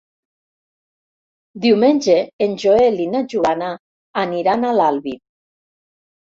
Diumenge en Joel i na Joana aniran a l'Albi.